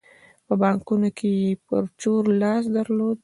په بانکونو کې یې په چور لاس درلود.